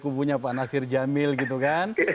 kubunya pak nasir jamil gitu kan